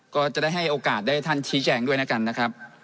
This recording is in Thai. ก็จะได้ให้โอกาสได้ท่านชี้แจงด้วยแล้วกันนะครับ